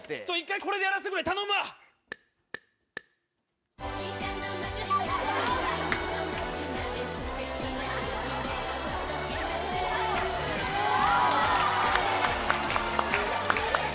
一回これでやらせてくれ、頼むわ。